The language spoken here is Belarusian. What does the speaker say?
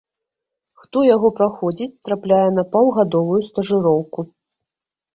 Хто яго праходзіць, трапляе на паўгадавую стажыроўку.